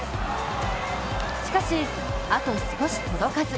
しかし、あと少し届かず。